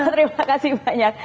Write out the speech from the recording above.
terima kasih banyak